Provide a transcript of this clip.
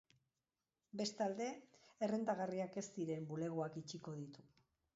Bestalde, errentagarriak ez diren bulegoak itxiko ditu.